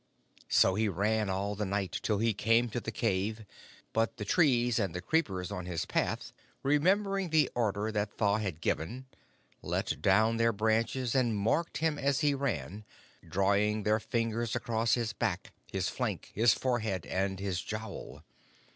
So he ran all the night till he came to the cave; but the trees and the creepers on his path, remembering the order that Tha had given, let down their branches and marked him as he ran, drawing their fingers across his back, his flank, his forehead, and his jowl.